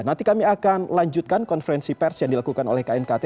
nanti kami akan lanjutkan konferensi pers yang dilakukan oleh knkt